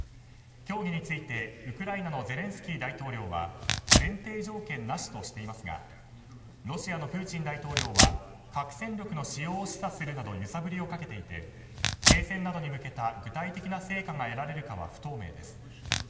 協議についてウクライナのゼレンスキー大統領は前提条件なしとしていますがロシアのプーチン大統領は核戦力の使用を示唆するなど揺さぶりをかけていて停戦などに向けた具体的な成果が得られるかは不透明です。